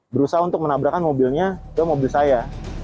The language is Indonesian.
berusaha untuk menabrakan mobilnya ke mobil saya